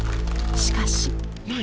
しかし。何？